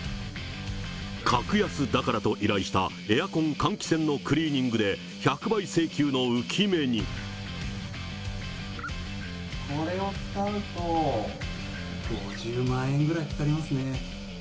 格安だからと依頼したエアコン・換気扇のクリーニングで、これを使うと、５０万円くらいかかりますね。